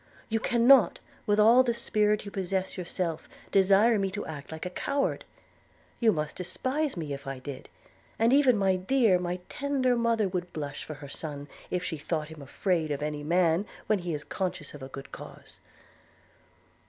You cannot, with all the spirit you possess yourself, desire me to act like a coward; you must despise me if I did: and even my dear, my tender mother would blush for her son, if she thought him afraid of any man when he is conscious of a good cause.'